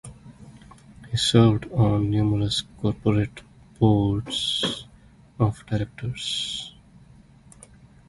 He served on numerous corporate boards of directors.